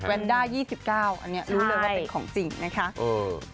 แนนด้า๒๙อันนี้รู้เลยว่าเป็นของจริงนะคะ